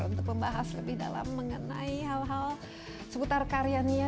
untuk membahas lebih dalam mengenai hal hal seputar karyanya